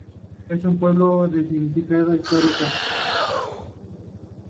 Es un pueblo de significación histórica.